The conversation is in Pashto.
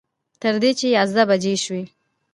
تر دې چې یازده بجې شوې.